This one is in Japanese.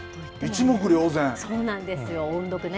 そうなんですよ、音読ね。